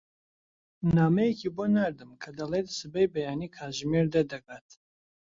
نامەیەکی بۆ ناردم کە دەڵێت سبەی بەیانی کاتژمێر دە دەگات.